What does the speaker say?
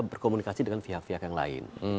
berkomunikasi dengan pihak pihak yang lain